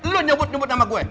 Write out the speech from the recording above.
lo nyebut nyebut nama gue